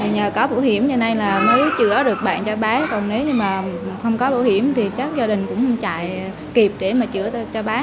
nhờ có bảo hiểm như thế này mới chữa được bạn cho bác còn nếu không có bảo hiểm thì chắc gia đình cũng không chạy kịp để chữa cho bác